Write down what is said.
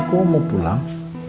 kau mau pulang